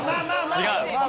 違う。